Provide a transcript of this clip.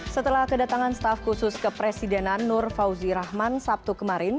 setelah kedatangan staf khusus kepresidenan nur fauzi rahman sabtu kemarin